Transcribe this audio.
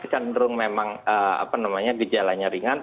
cenderung memang apa namanya gejalanya ringan